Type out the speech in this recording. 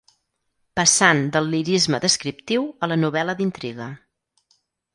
Passant del lirisme descriptiu a la novel·la d'intriga